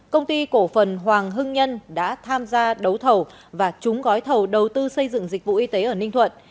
công ty cổ phần hoàng hưng nhân đã tham gia đấu thầu và trúng gói thầu đầu tư xây dựng dịch vụ y tế ở ninh thuận